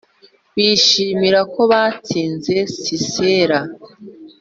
Bishimira ko batsinze Sisera